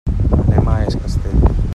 Anem a es Castell.